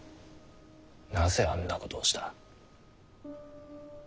なぜあんなことをした？